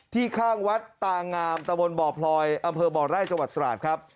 ข้างวัดตางามตะบนบ่อพลอยอำเภอบ่อไร่จังหวัดตราดครับ